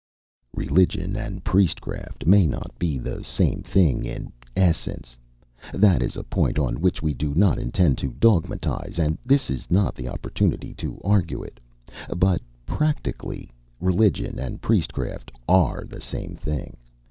Religion and priestcraft may not be the same thing in essence. That is a point on which we do not intend to dogmatise, and this is not the opportunity to argue it. But practically religion and priestcraft are the same thing.